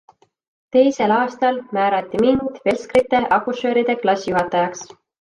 Teisel aastal määrati mind velskrite-akušööride klassijuhatajaks.